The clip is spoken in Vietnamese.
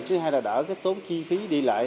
thứ hai là đỡ cái tốn chi phí đi lại